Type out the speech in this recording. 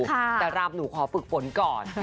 แต่รำหนูขอฝึกฝนก่อน